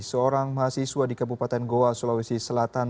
seorang mahasiswa di kabupaten goa sulawesi selatan